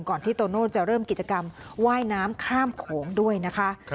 ที่โตโน่จะเริ่มกิจกรรมว่ายน้ำข้ามโขงด้วยนะคะ